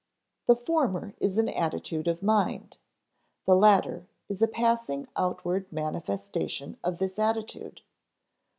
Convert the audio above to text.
The former is an attitude of mind; the latter is a passing outward manifestation of this attitude.